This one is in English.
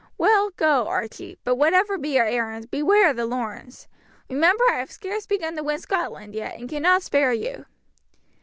"Well, go, Archie; but whatever be your errand, beware of the Lornes. Remember I have scarce begun to win Scotland yet, and cannot spare you."